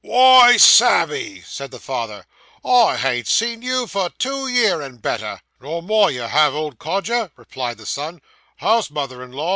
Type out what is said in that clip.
'Wy, Sammy,' said the father, 'I ha'n't seen you, for two year and better.' 'Nor more you have, old codger,' replied the son. 'How's mother in law?